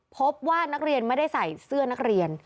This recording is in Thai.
พบว่านักเรียนไม่ได้ใส่เสื้อนักเรียน